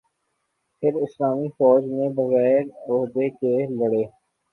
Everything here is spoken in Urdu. پھر اسلامی فوج میں بغیر عہدہ کے لڑے